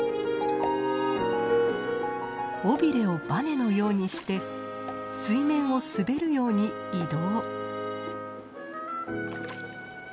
尾びれをバネのようにして水面を滑るように移動。